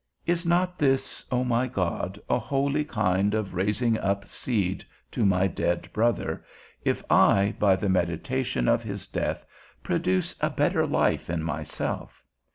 Is not this, O my God, a holy kind of raising up seed to my dead brother, if I, by the meditation of his death produce a better life in myself?